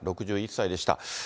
６１歳でした。